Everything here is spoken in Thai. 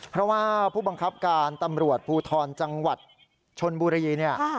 เพราะว่าผู้บังคับการตำรวจภูทรจังหวัดชนบุรีเนี่ย